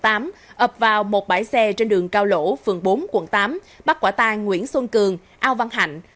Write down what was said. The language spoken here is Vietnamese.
ập vào một bãi xe trên đường cao lỗ phường bốn quận tám bắt quả tang nguyễn xuân cường ao văn hạnh